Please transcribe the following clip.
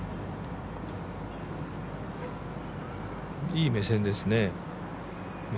いい目線ですね。